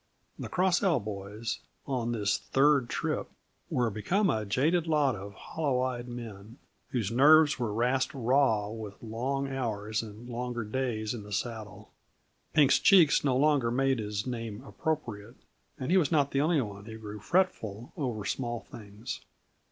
The Cross L boys, on this third trip, were become a jaded lot of hollow eyed men, whose nerves were rasped raw with long hours and longer days in the saddle. Pink's cheeks no longer made his name appropriate, and he was not the only one who grew fretful over small things.